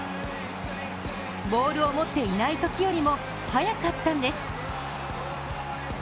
ボールを持っていないときよりも速かったんです。